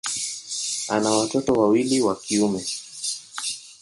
Ana watoto wawili wa kiume.